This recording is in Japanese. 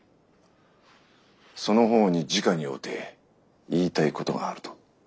その方にじかに会うて言いたいことがあると。